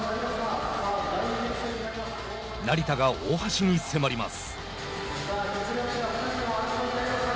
成田が大橋に迫ります。